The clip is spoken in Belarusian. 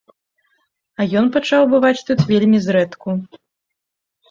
А ён пачаў бываць тут вельмі зрэдку.